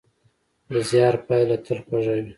د زیار پایله تل خوږه وي.